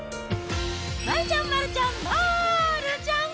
丸ちゃん、丸ちゃん、まーるちゃん。